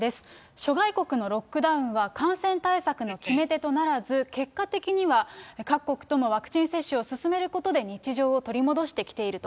諸外国のロックダウンは、感染対策の決め手とならず、結果的には各国とも、ワクチン接種を進めることで日常を取り戻してきていると。